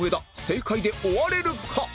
正解で終われるか？